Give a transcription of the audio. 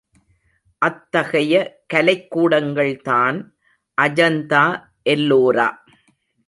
அத்தகைய கலைக் கூடங்கள்தான் அஜந்தா எல்லோரா.